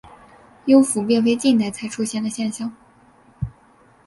幽浮并非近代才出现的现象。